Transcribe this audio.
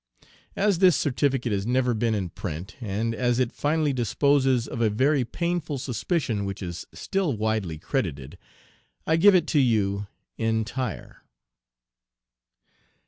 As this certificate has never been in print, and as it finally disposes of a very painful suspicion which is still widely credited, I give it to you entire.